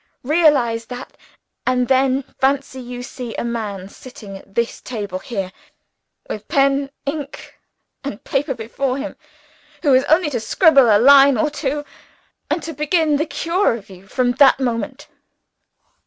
Realize that and then fancy you see a man sitting at this table here, with pen, ink, and paper before him, who has only to scribble a line or two, and to begin the cure of you from that moment.